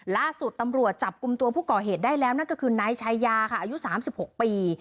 ล่าสุดตำรวจจับกลุ่มตัวผู้ก่อเหตุได้แล้วนั่นก็คือนายชายาค่ะอายุ๓๖ปี